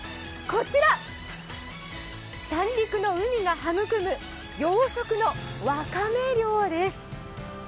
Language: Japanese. こちら、三陸の海が育む養殖のわかめ漁です。